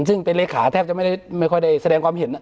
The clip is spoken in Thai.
ซึ่งเป็นเลขาแทบจะไม่ค่อยได้แสดงความเห็น